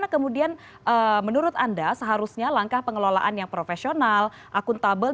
kemudian menurut anda seharusnya langkah pengelolaan yang profesional akuntabel